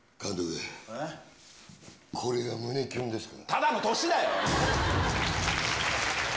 ただの年だよ。